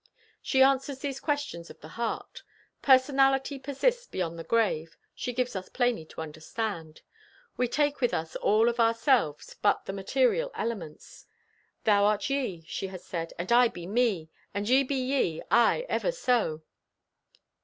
She answers these questions of the heart. Personality persists beyond the grave, she gives us plainly to understand. We take with us all of ourselves but the material elements. "Thou art ye," she has said, "and I be me and ye be ye, aye, ever so."